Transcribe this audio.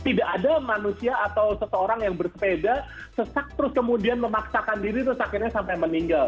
tidak ada manusia atau seseorang yang bersepeda sesak terus kemudian memaksakan diri terus akhirnya sampai meninggal